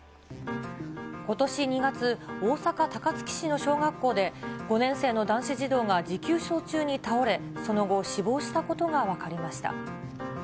ことし２月、大阪・高槻市の小学校で５年生の男子児童が持久走中に倒れ、その後死亡したことが分かりました。